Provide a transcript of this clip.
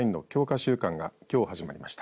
週間がきょうから始まりました。